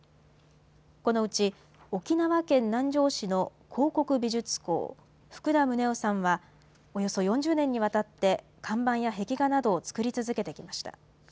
このうち、沖縄県南城市の広告美術工、福田宗男さんは、およそ４０年にわたって看板や壁画などを作り続けてきました。